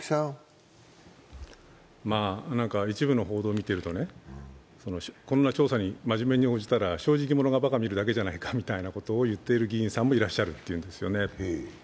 一部の報道を見ていると、こんな調査に真面目に応じたら正直者がばか見るだけじゃないかということを言っている議員さんもいらっしゃるということなんですね。